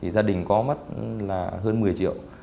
gia đình có mất hơn một mươi triệu